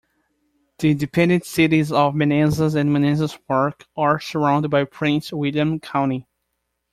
The independent cities of Manassas and Manassas Park are surrounded by Prince William County.